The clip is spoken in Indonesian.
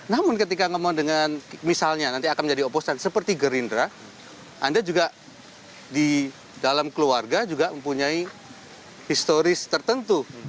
namun ketika ngomong dengan misalnya nanti akan menjadi oposan seperti gerindra anda juga di dalam keluarga juga mempunyai historis tertentu